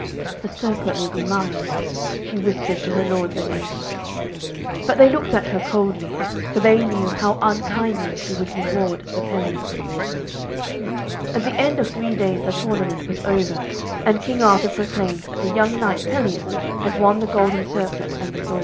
'The circlet will be mine,' she whispered to her lords and ladies. But they looked at her coldly, for they knew how unkindly she would reward Sir Pelleas. At the end of three days the tournament was over, and King Arthur proclaimed that the young knight Pelleas had won the golden circlet and the sword.